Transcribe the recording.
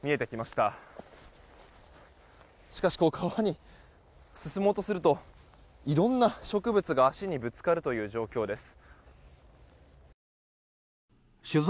しかし、川に進もうとするといろんな植物が足にぶつかるという状況です。